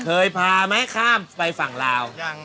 เคยพาไหมข้ามไปฝั่งลาว